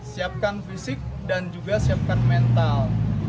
siapkan fisik dan juga siapkan mental